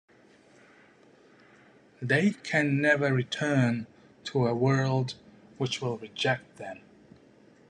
They can never return to a world which will reject them.